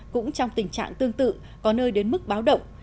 cũng trong tình trạng tương tự có nơi đến mức báo động